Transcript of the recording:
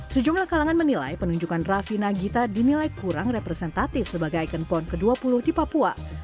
sejumlah kalangan menilai penunjukan raffi nagita dinilai kurang representatif sebagai ikon pon ke dua puluh di papua